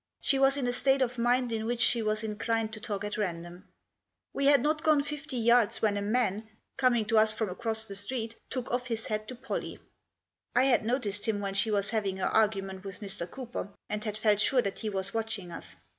She was in a state of mind in which she was inclined to talk at random. We had not gone fifty yards when a man, coming to us from across the street, took off his hat to Pollie. I had noticed him when she was having her argument with Mr. Cooper, and had felt sure that he was watch ing us.